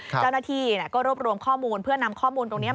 เจ้าหน้าที่ก็รวบรวมข้อมูลเพื่อนำข้อมูลตรงนี้